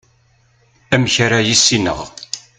amek ara yissineɣ